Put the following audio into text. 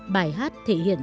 bài hát thể hiện